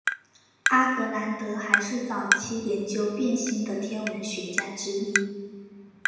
阿格兰德还是早期研究变星的天文学家之一。